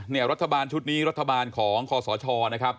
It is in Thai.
เนี่ยรัฐบาลชุดนี้รัฐบาลของคศนะครับ